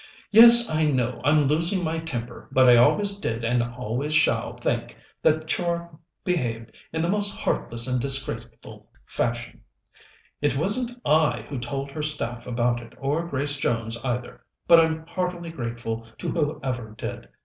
"Yes, I know I'm losing my temper, but I always did and always shall think that Char behaved in the most heartless and disgraceful fashion. It wasn't I who told her staff about it, or Grace Jones either, but I'm heartily grateful to whoever did.